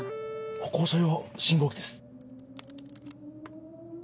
歩行者用信号機です。